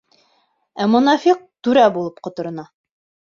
Ә монафиҡ түрә булып ҡоторона.